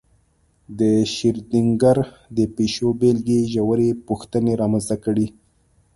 د شرودینګر د پیشو بېلګې ژورې پوښتنې رامنځته کړې.